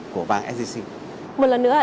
của vàng scc một lần nữa